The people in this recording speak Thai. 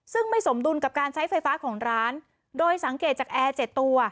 ซึ่งไม่สมดุลกับการใช้ไฟฟ้าของร้านโดยสังเกตจากแอร์เจ็ดตัว